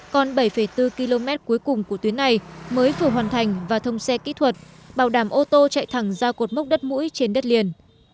còn bảy bốn km cuối cùng của tuyến này mới vừa hoàn thành và thông xe kỹ thuật bảo đảm ô tô chạy thẳng ra cột mốc đất mũi trên đất liền